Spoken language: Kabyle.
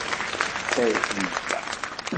Err tiyita.